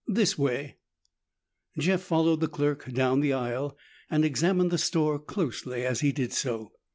"This way." Jeff followed the clerk down the aisle and examined the store closely as he did so.